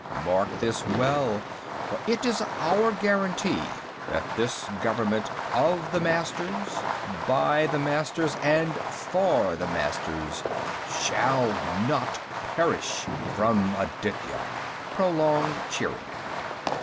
_ Mark this well, for it is our guarantee that this government, of the Masters, by the Masters, and for the Masters, shall not perish from Aditya." (Prolonged cheering.)